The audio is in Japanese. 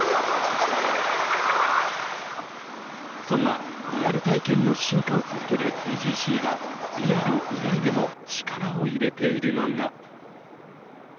そんなリアル体験の進化を続けるＴＧＣがリアル以外でも力を入れているのが。